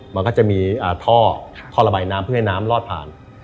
มันก็จะมีท่อท่อระบายน้ำเพื่อให้น้ำลอดผ่าน